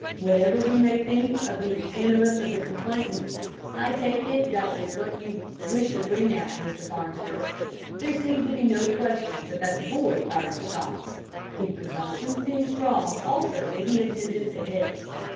Whatever we may think of the animus of the complainant, I take it that was what you wished to bring out, Mr. Farnsworth, there seems to be no question but that the boy fired the shot. The presumption seems strong also that he intended to hit.